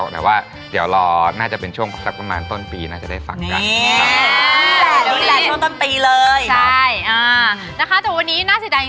นี่แหละช่วงต้นปีเลย